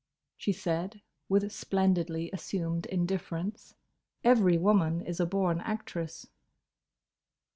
she said, with splendidly assumed indifference. Every woman is a born actress.